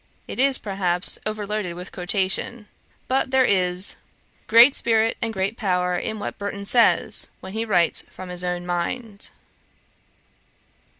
It is, perhaps, overloaded with quotation. But there is great spirit and great power in what Burton says, when he writes from his own mind.'